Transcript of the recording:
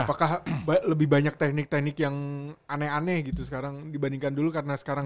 apakah lebih banyak teknik teknik yang aneh aneh gitu sekarang dibandingkan dulu karena sekarang